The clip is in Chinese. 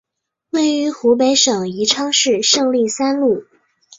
位于湖北省宜昌市胜利三路。